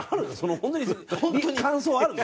本当に本当に感想あるの？